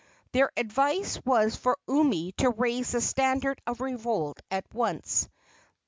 Their advice was for Umi to raise the standard of revolt at once.